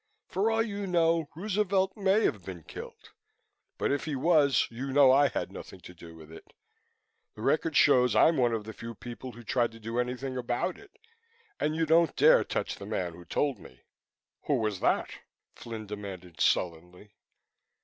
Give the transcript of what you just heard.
For all you know, Roosevelt may have been killed, but if he was, you know I had nothing to do with it. The record shows I'm one of the few people who tried to do anything about it. And you don't dare touch the man who told me." "Who was that?" Flynn demanded sullenly.